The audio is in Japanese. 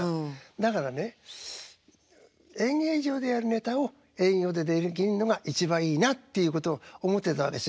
だからね演芸場でやるネタを営業でできるのが一番いいなっていうことを思ってたんです前からね。